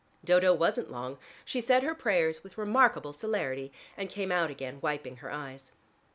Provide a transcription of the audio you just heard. Dodo wasn't long: she said her prayers with remarkable celerity, and came out again wiping her eyes.